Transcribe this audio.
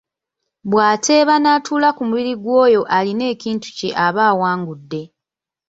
Bw’ateeba n’atuula ku mubiri gw’oyo alina ekintu kye aba awangudde.